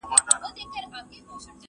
جامد فکرونه اقتصاد شاته غورځوي.